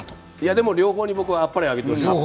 でも両方に僕はあっぱれあげてほしいです。